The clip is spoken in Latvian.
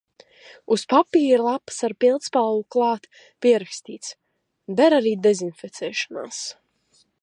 Uz papīra lapas ar pildspalvu klāt pierakstīts: "Der arī dezinficēšanai!"